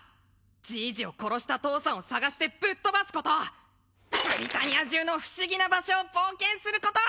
じいじを殺した父さんを捜してぶっ飛ばすことブリタニア中の不思議な場所を冒険すること！